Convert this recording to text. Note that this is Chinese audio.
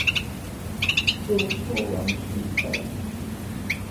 祖父王庭槐。